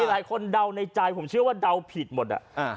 หลายคนเดาในใจผมเชื่อว่าเดาผิดหมด